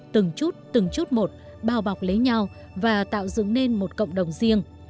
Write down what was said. từng chút từng chút một bao bọc lấy nhau và tạo dựng nên một cộng đồng riêng